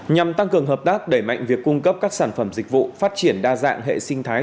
nhằm tăng cường hợp tác đẩy mạnh việc cung cấp các sản phẩm dịch vụ phát triển đa dạng hệ sinh thái